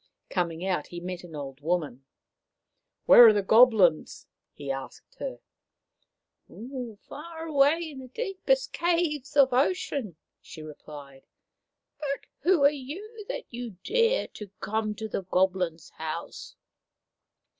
Coming out, he met an old woman. " Where are the Goblins ?" he asked her. THE SEA GOBLINS' HOUSE. 209 Sea Goblins 211 " Far away in the deepest caves of ocean," she replied. " But who are you that you dare to come to the Goblins' house